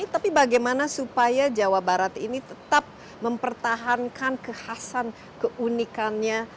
tapi bagaimana supaya jawa barat ini tetap mempertahankan kekhasan keunikannya